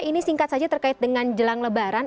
ini singkat saja terkait dengan jelang lebaran